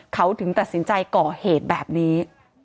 เขาถึงตัดสินใจก่อเหตุแบบนี้